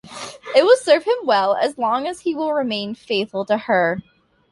It will serve him well as long as he will remain faithful to her.